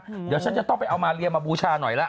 เดี๋ยวฉันจะต้องไปเอามาเรียมาบูชาหน่อยแล้ว